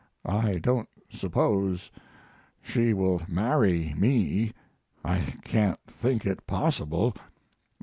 I don't suppose she will marry me. I can't think it possible.